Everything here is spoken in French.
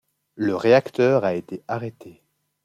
Le réacteur a été arrêté.